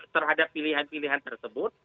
terhadap pilihan pilihan tersebut